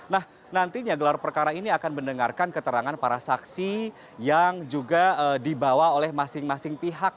nah nantinya gelar perkara ini akan mendengarkan keterangan para saksi yang juga dibawa oleh masing masing pihak